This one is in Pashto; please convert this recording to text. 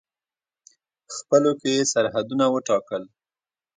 خپلو کې یې سرحدونه وټاکل.